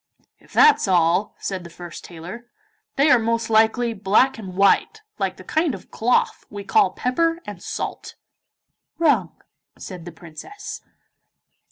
'If that's all,' said the first tailor, 'they are most likely black and white, like the kind of cloth we call pepper and salt.' 'Wrong,' said the Princess.